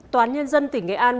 tòa án nhân dân tỉnh nghệ an